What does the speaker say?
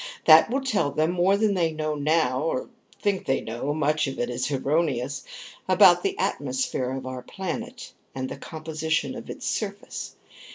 That will tell them more than they know now (or think they know; much of it is erroneous) about the atmosphere of our planet and the composition of its surface.